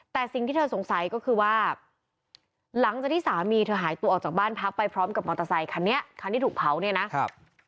แต่สิ่งที่เธอสงสัยก็คือว่าหลังจากที่สามีเธอหายตัวออกจากบ้านพักไปพร้อมกับมอเตอร์ไซคันนี้คันที่ถูกเผาเนี่ยนะครับ